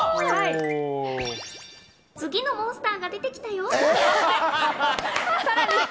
次のモンスターが出てきたよ。